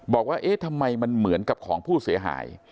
บอกว่าเอ๊ะทำไมมันเหมือนกับของผู้เสียหาย